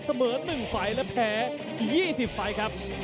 เสมอ๑ไฟล์และแพ้๒๐ไฟล์ครับ